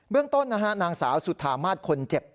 เบื้องต้นนางสาวสุธามาตย์คนเจ็บ